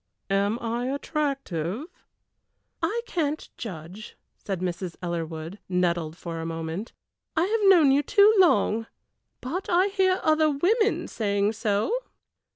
"Am I attractive?" "I can't judge," said Mrs. Ellerwood, nettled for a moment. "I have known you too long, but I hear other women saying so."